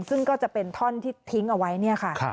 ซึ่งก็จะเป็นท่อนที่ทิ้งเอาไว้เนี่ยค่ะ